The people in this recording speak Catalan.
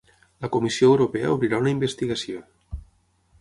La Comissió Europea obrirà una investigació